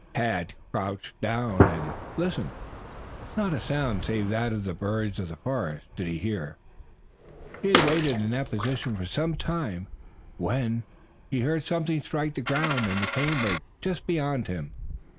Tad crouched down and listened. Not a sound save that of the birds of the forest did he now hear. He had waited in that position for some time, when he heard something strike the ground in the canebrake just beyond him.